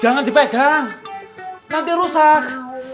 jangan dipegang nanti rusak